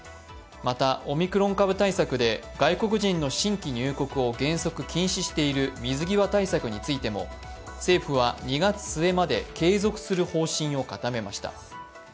またオミクロン株対策で外国人の新規入国を原則禁止している水際対策についても、政府は２月末まで継続する方針を固めました。